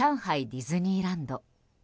ディズニーランド。